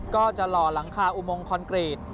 ก็จะหล่อหลังคาอุโมงคอนกรีต